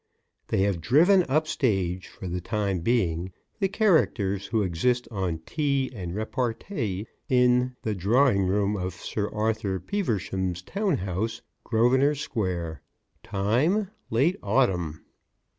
They have driven up stage, for the time being, the characters who exist on tea and repartee in "The drawing room of Sir Arthur Peaversham's town house, Grosvenor Square. Time: late Autumn."